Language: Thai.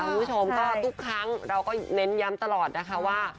คุณผู้ชมก็ทุกครั้งเราก็เน้นย้ำตลอดนะคะว่า